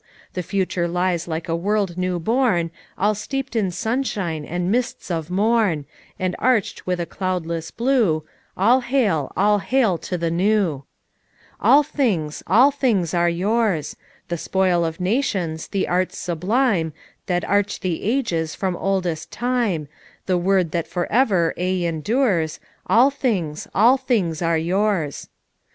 The future lies like a world new born FOUK MOTHERS AT CHAUTAUQUA 283 All steeped in sunshine and mists of morn, And arched with a cloudless blue, All hail, all hail to the New! "All things, all things are yours I The spoil of nations, the arts sublime That arch the ages from oldest time, The word that for aye endures, All things, all things arc yours.